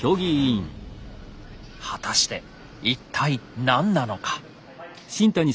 果たして一体何なのか。